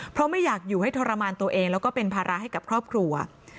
เพราะไม่อยากอยู่ให้ทรมานตัวเองแล้วก็เป็นภาระให้กับครอบครัว